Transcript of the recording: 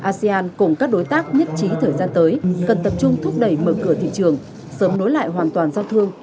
asean cùng các đối tác nhất trí thời gian tới cần tập trung thúc đẩy mở cửa thị trường sớm nối lại hoàn toàn giao thương